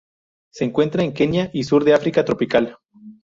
Se encuentra en Kenia y sur de África tropical.